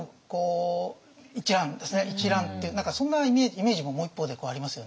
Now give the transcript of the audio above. とにかく何かそんなイメージももう一方でありますよね。